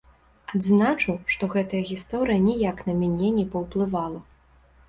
Адзначу, што гэтая гісторыя ніяк на мяне не паўплывала.